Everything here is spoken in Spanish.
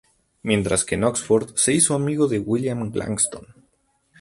Mientras que en Oxford se hizo amigo de William Gladstone.